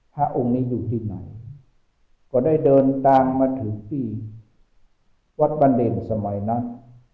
พระองค์นี้อยู่ที่ไหนก็ได้เดินตามมาถึงที่วัดบันเด่นสมัยนั้น